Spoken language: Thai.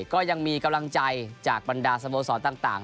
ก็ยังมีกำลังใจจากบรรดาสโมสรต่าง